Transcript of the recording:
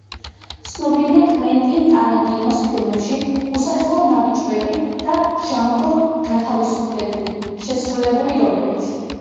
ცნობილია კვენტინ ტარანტინოს ფილმებში „უსახელო ნაბიჭვრები“ და „ჯანგო გათავისუფლებული“ შესრულებული როლებით.